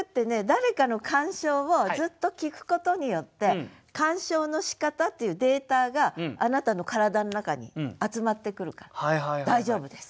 誰かの鑑賞をずっと聞くことによって鑑賞のしかたっていうデータがあなたの体の中に集まってくるから大丈夫です。